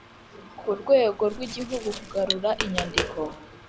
ku rwego rw igihugu kugarura inyandiko